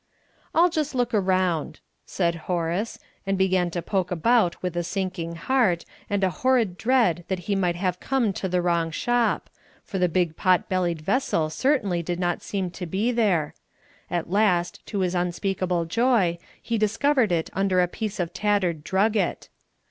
"I'll just look round," said Horace, and began to poke about with a sinking heart, and a horrid dread that he might have come to the wrong shop, for the big pot bellied vessel certainly did not seem to be there. At last, to his unspeakable joy, he discovered it under a piece of tattered drugget.